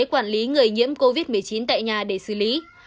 quản lý người nhiễm covid một mươi chín tại nhà để xử lý